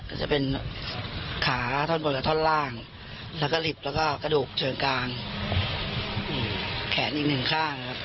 ก็จะเป็นขาท่อนบนกับท่อนล่างแล้วก็ลิฟต์แล้วก็กระดูกเชิงกลางแขนอีกหนึ่งข้างครับ